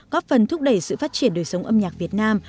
góp phần thúc đẩy sự phát triển đời sống âm nhạc việt nam